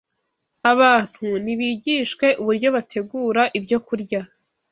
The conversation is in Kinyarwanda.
Abantu nibigishwe uburyo bategura ibyokurya